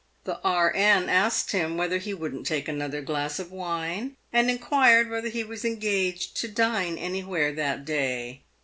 The E.N. asked him whether he wouldn't take another glass of wine, and inquired whether he was engaged to dine anywhere that day.